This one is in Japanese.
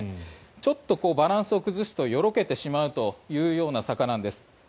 ちょっとバランスを崩すとよろけてしまうというような坂なんです。